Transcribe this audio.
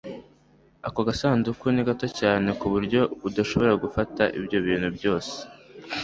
ako gasanduku ni gato cyane ku buryo udashobora gufata ibyo bintu byose